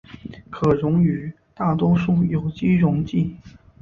可溶于多数有机溶剂。